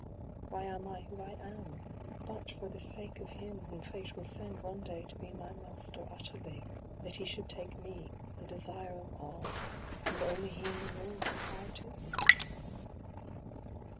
why am I who I am, but for the sake of him whom fate will send one day to be my master utterly, that he should take me, the desire of all, whom only he in the world could bow to him?